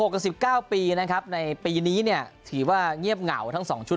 กับ๑๙ปีนะครับในปีนี้เนี่ยถือว่าเงียบเหงาทั้ง๒ชุด